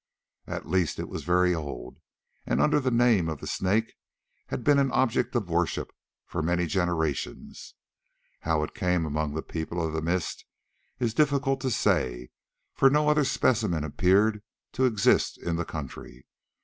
At least it was very old, and under the name of the Snake had been an object of worship for many generations. How it came among the People of the Mist is difficult to say, for no other specimen appeared to exist in the country.